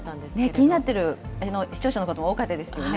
気になってる視聴者の方も多かったようですよね。